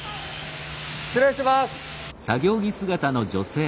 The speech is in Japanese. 失礼します。